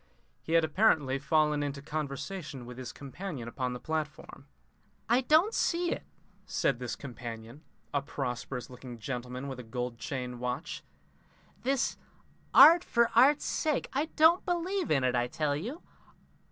He had apparently fallen into conversation with his companion upon the platform. "I don't see it," said this companion, a prosperous looking gentleman with a gold watch chain. "This art for art's sake I don't believe in it, I tell you.